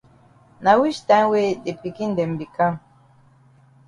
Na wich time wey de pikin dem be kam?